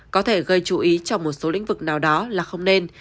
có thể gây chú ý trong một số lĩnh vực nào đó là không nên